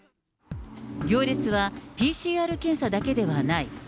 行列はＰＣＲ検査だけではない。